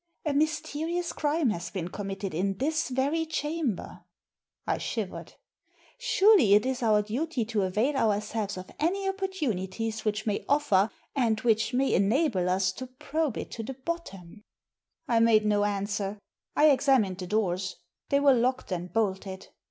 A mysterious crime has been committed in this very chamber." I shivered. " Surely it is our duty to avail ourselves of any opportunities which may offer, and which may enable us to probe it to the bottom." I made no answer. I examined the doors. They were locked and bolted.